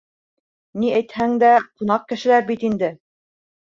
Ни әйтһәң дә, ҡунаҡ кешеләр бит инде.